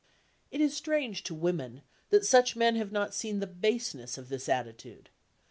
It is strange to women that such men have not seen the baseness of this attitude.